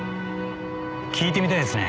聞いてみたいですね。